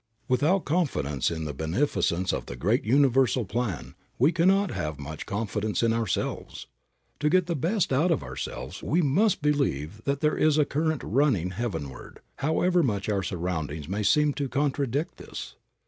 Without confidence in the beneficence of the great universal plan we can not have much confidence in ourselves. To get the best out of ourselves we must believe that there is a current running heavenward, however much our surroundings may seem to contradict this.